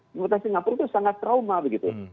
pemerintah singapura itu sangat trauma begitu